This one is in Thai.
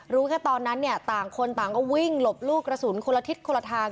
รู้แค่ตอนนั้นเนี่ยต่างคนต่างก็วิ่งหลบลูกกระสุนคนละทิศคนละทาง